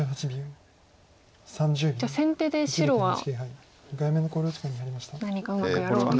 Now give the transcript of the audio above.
じゃあ先手で白は何かうまくやろうと。